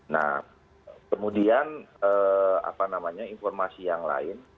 nah kemudian informasi yang lain